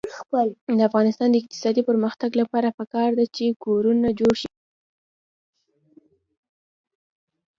د افغانستان د اقتصادي پرمختګ لپاره پکار ده چې کورونه جوړ شي.